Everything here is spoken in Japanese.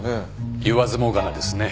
言わずもがなですね。